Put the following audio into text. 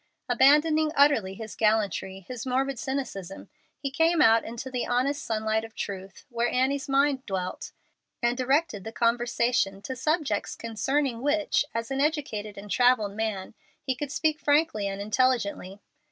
Abandoning utterly his gallantry, his morbid cynicism, he came out into the honest sunlight of truth, where Annie's mind dwelt, and directed the conversation to subjects concerning which, as an educated and travelled man, he could speak frankly and intelligently.